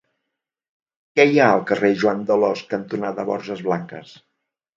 Què hi ha al carrer Joan d'Alòs cantonada Borges Blanques?